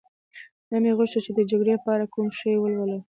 نه مې غوښتل چي د جګړې په اړه کوم شی ولولم.